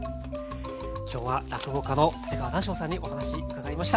今日は落語家の立川談笑さんにお話伺いました。